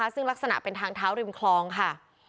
ซึ่งลักษณะเป็นทางเท้าริมคลองค่ะ